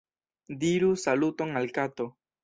Diru saluton al kato.